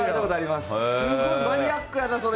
すごいマニアックだな。